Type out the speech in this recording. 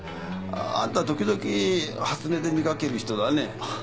アンタ時々初音で見かける人だね。